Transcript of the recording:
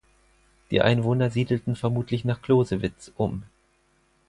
Die Einwohner siedelten vermutlich nach Closewitz um.